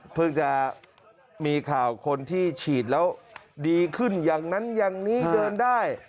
จะมีข่าวคนที่ฉีดแล้วดีขึ้นอย่างนั้นอย่างนี้เดินได้